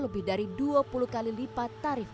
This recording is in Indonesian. lebih dari dua puluh kali lipat tarif